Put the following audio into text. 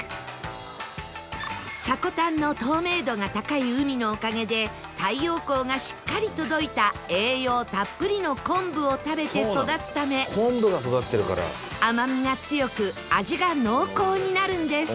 積丹の透明度が高い海のおかげで太陽光がしっかり届いた栄養たっぷりの昆布を食べて育つため甘みが強く味が濃厚になるんです